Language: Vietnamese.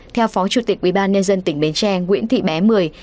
theo phó chủ tịch ubnd tỉnh bến tre nguyễn thị bé mười